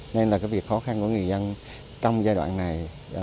nên là cái việc khó khăn của người dân trong giai đoạn này